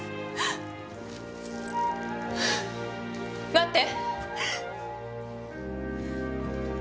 待って！